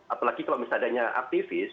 apalagi kalau misalnya aktivis